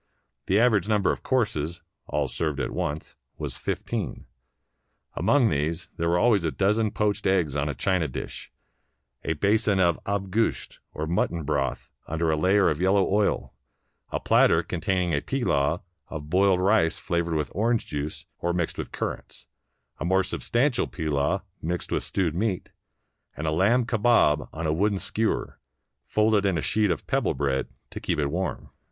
The average number of courses (all served at once) was fif teen. Among these there were always a dozen poached eggs on a china dish ; a basin of ah gusht, or mutton broth under a layer of yellow oil ; a platter containing a pilaw of boiled rice flavored with orange juice or mixed with currants; a more substantial pilaw mixed with stewed meat ; and a lamb kehah on a wooden skewer, folded in a sheet of '' pebble bread " to keep it warm.